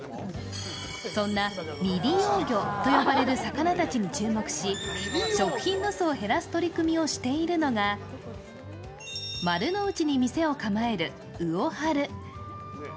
そんな未利用魚と呼ばれる魚たちに注目し、食品ロスを減らす取り組みをしているのが丸の内に店を構える魚治。